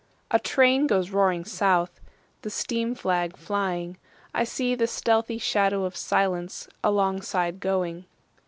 A train goes roaring south, The steam flag flying;I see the stealthy shadow of silenceAlongside going.